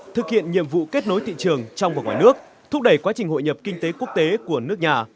thực hiện nhiệm vụ kết nối thị trường trong và ngoài nước thúc đẩy quá trình hội nhập kinh tế quốc tế của nước nhà